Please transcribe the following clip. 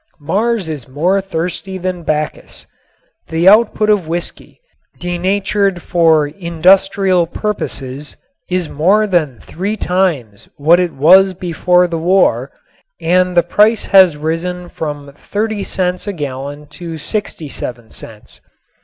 Mars is more thirsty than Bacchus. The output of whiskey, denatured for industrial purposes, is more than three times what is was before the war, and the price has risen from 30 cents a gallon to 67 cents.